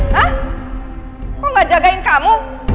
nak kok gak jagain kamu